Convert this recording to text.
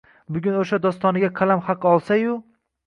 bugun o’sha dostoniga qalam haqi olsa-yu